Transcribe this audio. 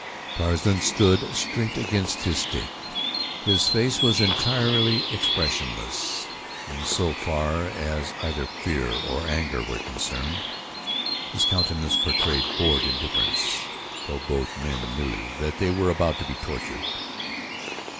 Tarzan stood straight against his stake. His face was entirely expressionless in so far as either fear or anger were concerned. His countenance portrayed bored indifference though both men knew that they were about to be tortured.